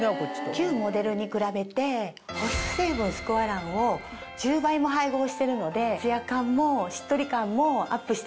旧モデルに比べて保湿成分スクワランを１０倍も配合してるのでツヤ感もしっとり感もアップしてます。